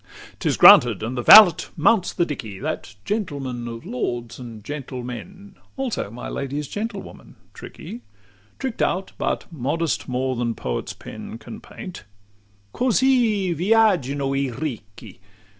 XLVII 'T is granted; and the valet mounts the dickey That gentleman of lords and gentlemen; Also my lady's gentlewoman, tricky, Trick'd out, but modest more than poet's pen Can paint, "Cosi viaggino i Ricchi!"